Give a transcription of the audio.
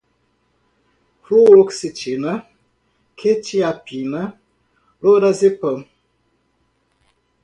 fluoxetina, quetiapina, Lorazepam